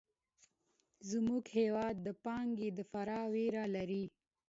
زموږ هېواد د پانګې د فرار وېره لري.